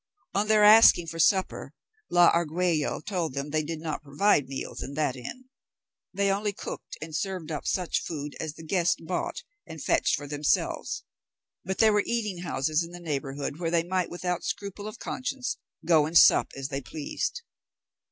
On their asking for supper, la Argüello told them they did not provide meals in that inn; they only cooked and served up such food as the guests bought and fetched for themselves; but there were eating houses in the neighbourhood, where they might without scruple of conscience go and sup as they pleased.